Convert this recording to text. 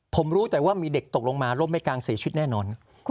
ผมรู้แต่ว่ามีเด็กตกลงมาร่มไม่กลางเสียชีวิตแน่นอน